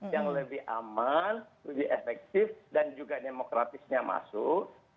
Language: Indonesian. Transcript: yang lebih aman lebih efektif dan juga demokratisnya masuk